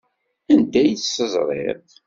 Anda ay tt-teẓriḍ?